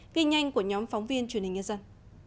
ghi nhanh của nhóm phóng viên truyền hình nhân dân